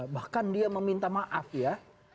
bahkan dia meminta maaf ya